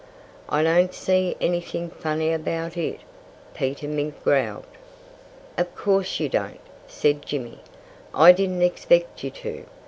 "I don't see anything funny about it," Peter Mink growled. "Of course you don't," said Jimmy. "I didn't expect you to.